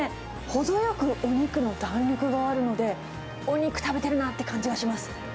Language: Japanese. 程よくお肉の弾力があるので、お肉食べてるなって感じがします。